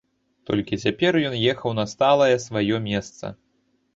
Толькі цяпер ён ехаў на сталае сваё месца.